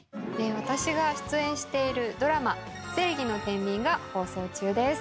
私が出演しているドラマ「正義の天秤」が放送中です。